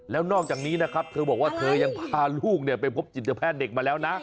แล้วนอกจากนี้นะครับเธอบอกว่าเธอยังพาลูกไปพบจิตแพทย์เด็กมาแล้วนะ